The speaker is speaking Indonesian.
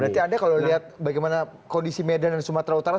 berarti anda kalau lihat bagaimana kondisi medan dan sumatera utara